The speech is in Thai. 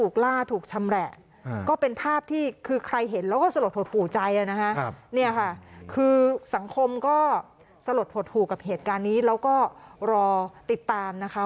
คือสังคมก็สลดหดหู่กับเหตุการณ์นี้แล้วก็รอติดตามนะคะ